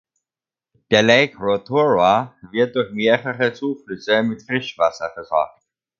Der Lake Rotorua wird durch mehrere Zuflüsse mit Frischwasser versorgt.